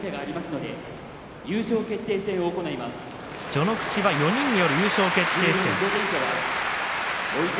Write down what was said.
序ノ口は４人による優勝決定戦。